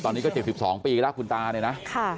ตอนนี้ก็๗๒ปีแล้วคุณตาเนี่ยนะ